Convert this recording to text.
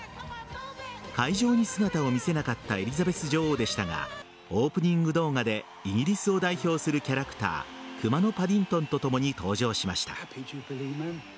会場に姿を見せなかったエリザベス女王でしたがオープニング動画でイギリスを代表するキャラクター「くまのパディントン」とともに登場しました。